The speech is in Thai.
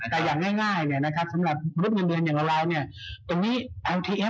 ครบถ้วนนะครับสำหรับท่านต้องให้ออกฝั่งต้นปีนี้